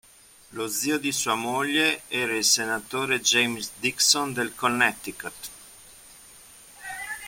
Lo zio di sua moglie era il senatore James Dixon del Connecticut.